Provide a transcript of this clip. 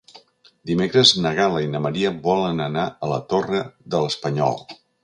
Dimecres na Gal·la i na Maria volen anar a la Torre de l'Espanyol.